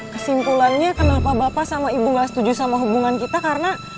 kesimpulannya kenapa bapak sama ibu gak setuju sama hubungan kita karena